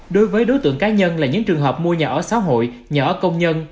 đối với đối tượng cá nhân là những trường hợp mua nhà ở xã hội nhà ở công nhân